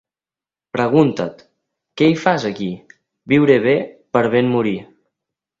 Pregunta't: —Què hi fas aquí? Viure bé per ben morir.